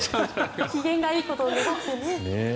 機嫌がいいことを願ってね。